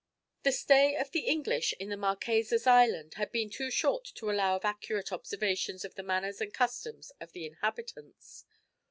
The stay of the English in the Marquesas Islands had been too short to allow of accurate observations of the manners and customs of the inhabitants.